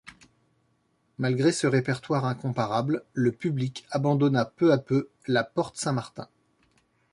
Malgré ce répertoire incomparable, le public abandonna peu à peu la Porte-Saint-Martin.